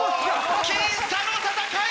僅差の戦い！